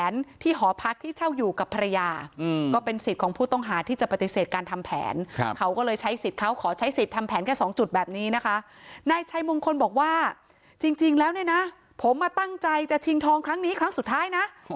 นายสิทธิ์เขาขอใช้สิทธิ์ทำแผนแค่๒จุดแบบนี้นะคะนายชายมงคลบอกว่าจริงแล้วเนี่ยนะผมมาตั้งใจจะชิงทองครั้งนี้ครั้งสุดท้ายนะ